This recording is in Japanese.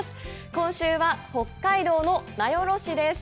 今週は、北海道の名寄市です。